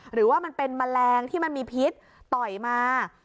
หรือว่ามันเป็นแมลงที่มันมีพิษต่อยมา